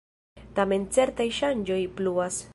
Tamen certaj ŝanĝoj pluas.